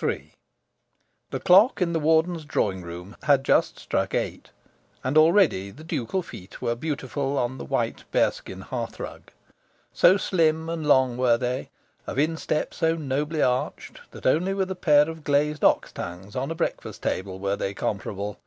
III The clock in the Warden's drawing room had just struck eight, and already the ducal feet were beautiful on the white bearskin hearthrug. So slim and long were they, of instep so nobly arched, that only with a pair of glazed ox tongues on a breakfast table were they comparable.